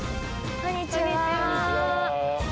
こんにちは。